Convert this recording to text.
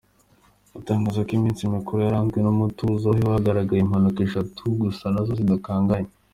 Atangaza ko iminsi mikuru yaranzwe n’umutuzo, aho hagaragaye impanuka eshatu gusa nazo zidakanganye.